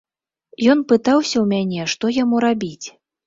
Ён пытаўся ў мяне, што яму рабіць.